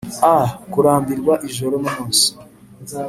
a-kurambirwa ijoro n'umunsi;